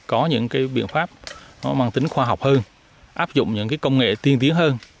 có những cái biện pháp nó mang tính khoa học hơn áp dụng những công nghệ tiên tiến hơn